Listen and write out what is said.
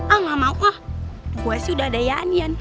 ah gak mau ah gue sih udah ada ian ian